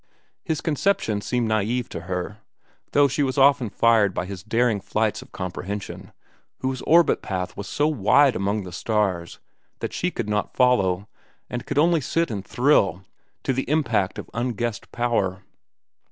His conceptions seemed naive to her, though she was often fired by his daring flights of comprehension, whose orbit path was so wide among the stars that she could not follow and could only sit and thrill to the impact of unguessed power.